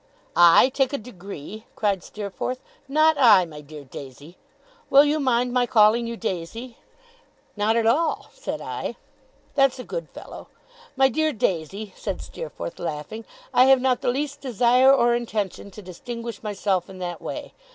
'I take a degree!' cried Steerforth. 'Not I! my dear Daisy will you mind my calling you Daisy?' 'Not at all!' said I. 'That's a good fellow! My dear Daisy,' said Steerforth, laughing. 'I have not the least desire or intention to distinguish myself in that way.